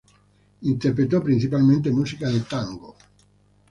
Interpretó principalmente música de tango.